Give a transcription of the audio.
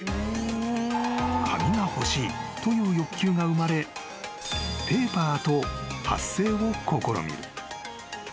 ［「紙が欲しい」という欲求が生まれ「ペーパー」と発声を試みる］